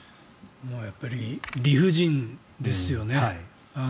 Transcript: やっぱり理不尽ですよね。